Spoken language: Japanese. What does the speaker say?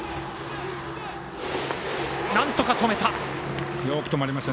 なんとか止めた。